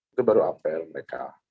itu baru apel mereka